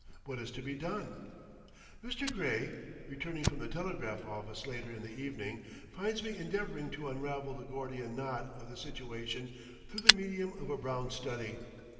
What is to be done? Mr. Gray, returning from the telegraph office later in the evening, finds me endeavoring to unravel the Gordian knot of the situation through the medium of a brown study.